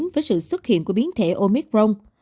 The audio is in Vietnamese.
với sự xuất hiện của biến thể omicron